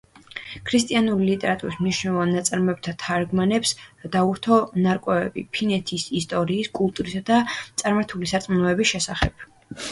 ქრისტიანული ლიტერატურის მნიშვნელოვან ნაწარმოებათა თარგმანებს დაურთო ნარკვევები, ფინეთის ისტორიის, კულტურისა და წარმართული სარწმუნოების შესახებ.